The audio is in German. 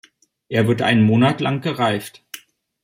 Er wird einen Monat lang gereift.